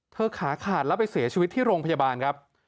ขาขาดแล้วไปเสียชีวิตที่โรงพยาบาลครับ